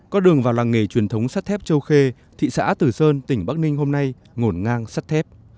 con đường vào làng nghề truyền thống sắt thép châu khê thị xã tử sơn tỉnh bắc ninh hôm nay ngổn ngang sắt thép